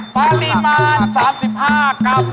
ปริมาณ๓๕กรัม